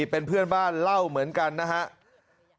เป็นเพื่อนบ้านเล่าเหมือนกันนะครับ